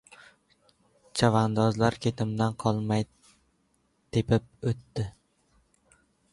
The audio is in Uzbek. Chavandozlar ketimdan qolmay ta’qib etdi.